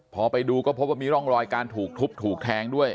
พอไปดูก็พบว่ามีร่องรอยการถูกทุบถูกแทงด้วย